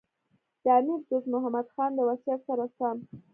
د امیر دوست محمد خان د وصیت سره سم.